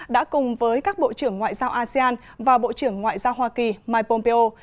đã cùng với các bộ trưởng ngoại giao asean và bộ trưởng ngoại giao hoa kỳ mike pompeo